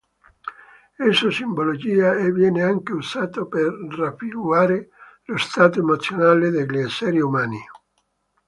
Esso simboleggia e viene anche usato per raffigurare lo stato emozionale degli esseri umani.